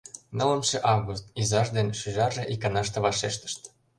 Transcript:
— Нылымше август, — изаж ден шӱжарже иканаште вашештышт.